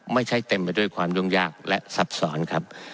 เต็มไปด้วยความยุ่งยากและซับซ้อนครับ